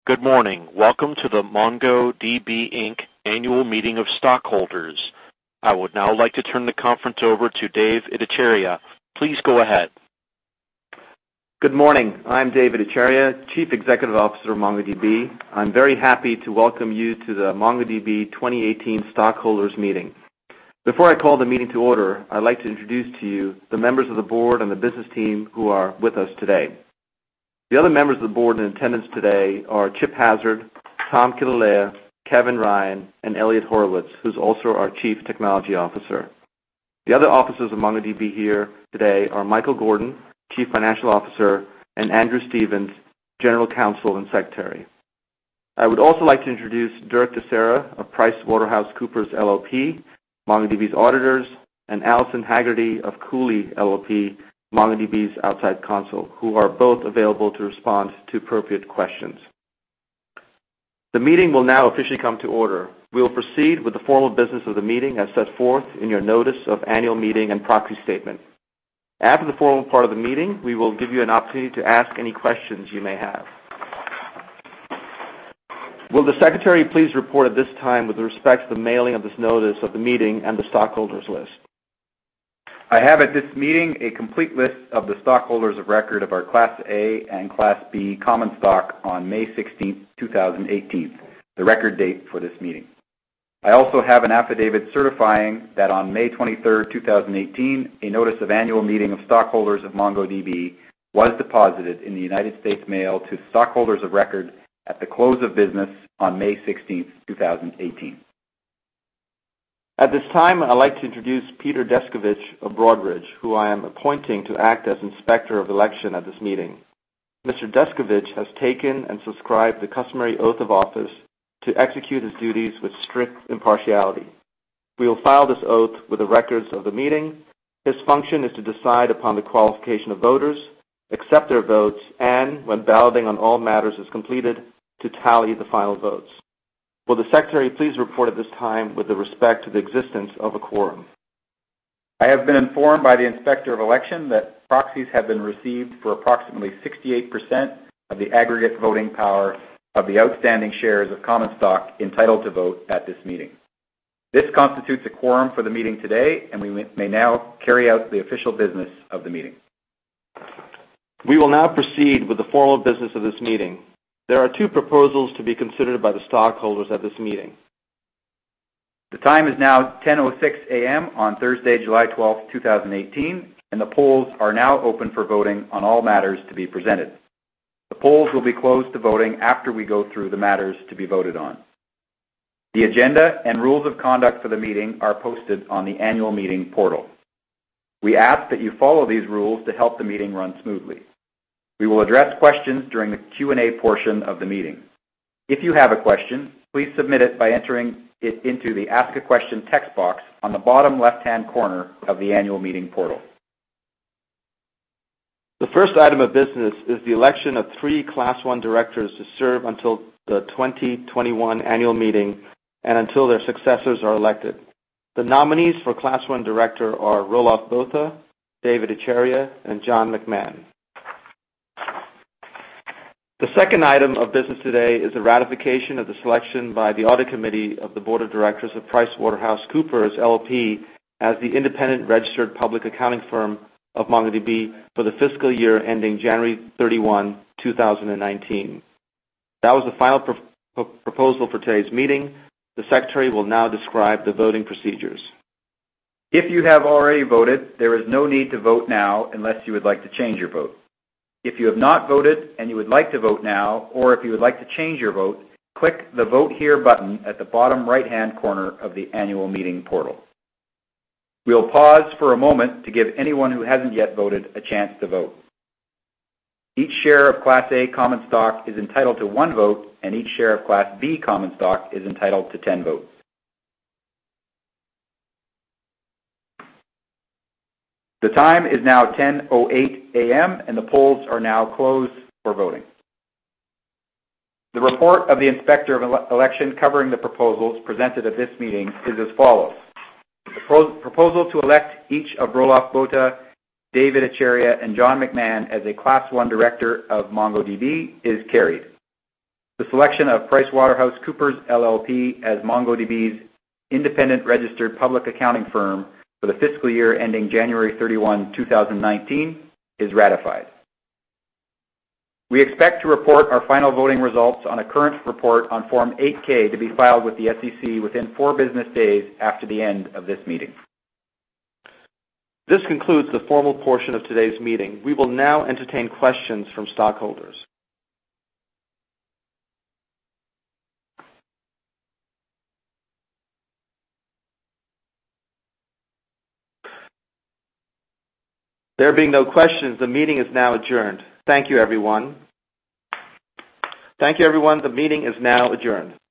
Good morning. Welcome to the MongoDB, Inc. annual meeting of stockholders. I would now like to turn the conference over to Dev Ittycheria. Please go ahead. Good morning. I'm Dev Ittycheria, Chief Executive Officer of MongoDB. I'm very happy to welcome you to the MongoDB 2018 stockholders meeting. Before I call the meeting to order, I'd like to introduce to you the members of the board and the business team who are with us today. The other members of the board in attendance today are Chip Hazard, Tom Killalea, Kevin Ryan, and Eliot Horowitz, who's also our Chief Technology Officer. The other officers of MongoDB here today are Michael Gordon, Chief Financial Officer, and Andrew Davidson, General Counsel and Secretary. I would also like to introduce Derek DeCerce of PricewaterhouseCoopers LLP, MongoDB's auditors, and Alison Haggerty of Cooley LLP, MongoDB's outside counsel, who are both available to respond to appropriate questions. The meeting will now officially come to order. We will proceed with the formal business of the meeting as set forth in your notice of annual meeting and proxy statement. After the formal part of the meeting, we will give you an opportunity to ask any questions you may have. Will the secretary please report at this time with respect to the mailing of this notice of the meeting and the stockholders list? I have at this meeting a complete list of the stockholders of record of our Class A and Class B common stock on May 16th, 2018, the record date for this meeting. I also have an affidavit certifying that on May 23rd, 2018, a notice of annual meeting of stockholders of MongoDB was deposited in the United States Mail to stockholders of record at the close of business on May 16th, 2018. At this time, I'd like to introduce Peter Descovich of Broadridge, who I am appointing to act as Inspector of Election at this meeting. Mr. Descovich has taken and subscribed the customary oath of office to execute his duties with strict impartiality. We will file this oath with the records of the meeting. His function is to decide upon the qualification of voters, accept their votes, and when balloting on all matters is completed, to tally the final votes. Will the secretary please report at this time with the respect to the existence of a quorum? I have been informed by the Inspector of Election that proxies have been received for approximately 68% of the aggregate voting power of the outstanding shares of common stock entitled to vote at this meeting. This constitutes a quorum for the meeting today, we may now carry out the official business of the meeting. We will now proceed with the formal business of this meeting. There are two proposals to be considered by the stockholders at this meeting. The time is now 10:06 A.M. on Thursday, July 12th, 2018, the polls are now open for voting on all matters to be presented. The polls will be closed to voting after we go through the matters to be voted on. The agenda and rules of conduct for the meeting are posted on the annual meeting portal. We ask that you follow these rules to help the meeting run smoothly. We will address questions during the Q&A portion of the meeting. If you have a question, please submit it by entering it into the Ask a Question text box on the bottom left-hand corner of the annual meeting portal. The first item of business is the election of three Class I directors to serve until the 2021 annual meeting and until their successors are elected. The nominees for Class I director are Roelof Botha, Dev Ittycheria, and John McMahon. The second item of business today is the ratification of the selection by the Audit Committee of the Board of Directors of PricewaterhouseCoopers LLP as the independent registered public accounting firm of MongoDB for the fiscal year ending January 31, 2019. That was the final proposal for today's meeting. The secretary will now describe the voting procedures. If you have already voted, there is no need to vote now unless you would like to change your vote. If you have not voted and you would like to vote now or if you would like to change your vote, click the Vote Here button at the bottom right-hand corner of the annual meeting portal. We'll pause for a moment to give anyone who hasn't yet voted a chance to vote. Each share of Class A common stock is entitled to one vote, and each share of Class B common stock is entitled to 10 votes. The time is now 10:08 A.M., and the polls are now closed for voting. The report of the Inspector of Election covering the proposals presented at this meeting is as follows. Proposal to elect each of Roelof Botha, Dev Ittycheria, and John McMahon as a Class I director of MongoDB is carried. The selection of PricewaterhouseCoopers LLP as MongoDB's independent registered public accounting firm for the fiscal year ending January 31, 2019 is ratified. We expect to report our final voting results on a current report on Form 8-K to be filed with the SEC within four business days after the end of this meeting. This concludes the formal portion of today's meeting. We will now entertain questions from stockholders. There being no questions, the meeting is now adjourned. Thank you, everyone. Thank you, everyone. The meeting is now adjourned.